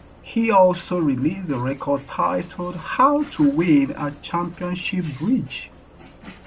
He also released a record titled "How to Win at Championship Bridge".